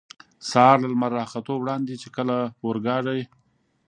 سهار له لمر را ختو وړاندې، چې کله اورګاډی.